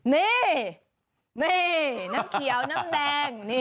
นี่นี่น้ำเขียวน้ำแดง